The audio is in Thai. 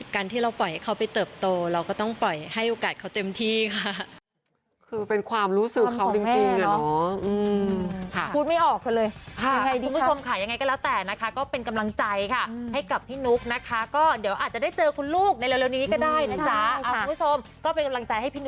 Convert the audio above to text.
การที่เราปล่อยให้เขาไปเติบโตเราก็ต้องปล่อยให้โอกาสเขาเต็มที่ค่ะ